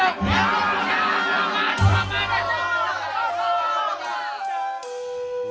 ya ampun ya ampun